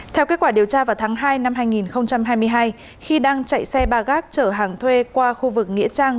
theo kết quả điều tra vào tháng hai năm hai nghìn hai mươi hai khi đang chạy xe ba gác chở hàng thuê qua khu vực nghĩa trang